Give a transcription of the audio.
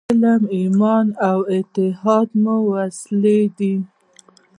علم، ایمان او اتحاد مو وسلې دي.